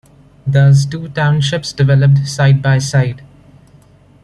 Thus two townships developed side-by-side.